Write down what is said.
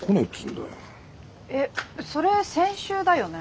えっそれ先週だよね？